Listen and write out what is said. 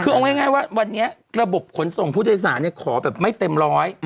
คือเอาง่ายว่าวันนี้ระบบขนส่งผู้โดยสารขอแบบไม่เต็มร้อย